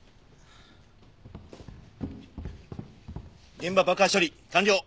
現場爆破処理完了。